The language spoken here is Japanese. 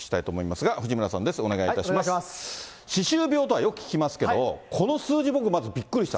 歯周病とはよく聞きますけれども、この数字、僕、まずびっくりした。